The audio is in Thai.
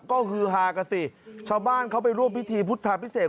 ก็ฮือฮากันสิชาวบ้านเขาไปร่วมพิธีพุทธาพิเศษ